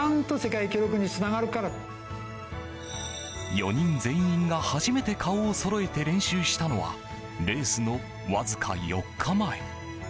４人全員が初めて顔をそろえて練習したのはレースのわずか４日前。